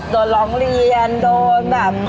โดนร้องเรียนโดนแบบ